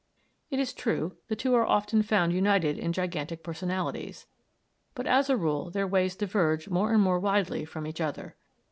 It is true, the two are often found united in gigantic personalities. But as a rule their ways diverge more and more widely from each other.